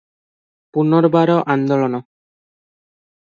ପୁନର୍ବାର ଆନ୍ଦୋଳନ ।